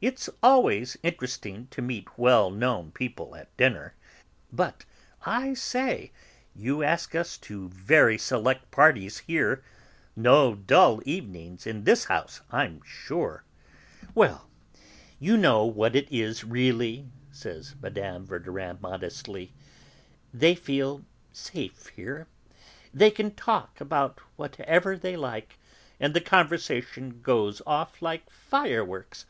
"It's always interesting to meet well known people at dinner. But, I say, you ask us to very select parties here. No dull evenings in this house, I'm sure." "Well, you know what it is really," said Mme. Verdurin modestly. "They feel safe here. They can talk about whatever they like, and the conversation goes off like fireworks.